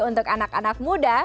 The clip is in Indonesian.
untuk anak anak muda